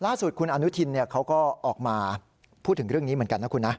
ล่าสุดคุณอนุทินเขาก็ออกมาพูดถึงเรื่องนี้เหมือนกันนะคุณนะ